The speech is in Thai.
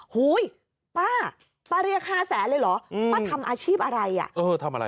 หุ้ยป้าป้าเรียก๕๐๐๐๐๐เลยเหรอพ่อทำอาชีพอะไรอ่ะ